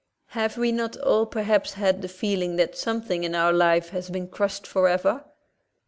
Have we not all perhaps had the feeling that something in our life has been crushed forever?